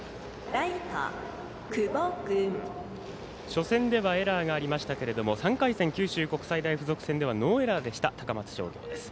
初戦ではエラーがありましたが３回戦、九州国際大付属戦ではノーエラーでした、高松商業。